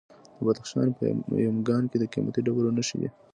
د بدخشان په یمګان کې د قیمتي ډبرو نښې دي.